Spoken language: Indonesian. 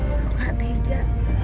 aku gak tega